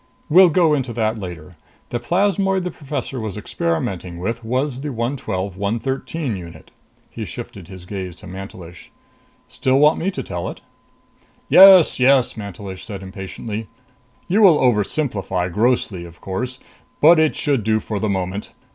We'll go into that later. The plasmoid the professor was experimenting with was the 112 113 unit." He shifted his gaze to Mantelish. "Still want me to tell it?" "Yes, yes!" Mantelish said impatiently. "You will oversimplify grossly, of course, but it should do for the moment.